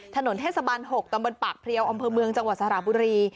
ถนนเทศบาล๖ตำบลปากเพลียวอำเภอเมืองจังหวัดสระบุรี